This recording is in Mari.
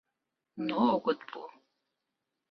– Но огыт пу.